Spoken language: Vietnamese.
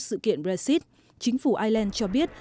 sự kiện brexit chính phủ ireland cho biết